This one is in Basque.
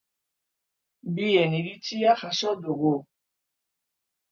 Bien iritzia jaso dugu.